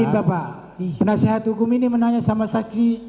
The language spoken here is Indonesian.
bapak penasehat hukum ini menanya sama saksi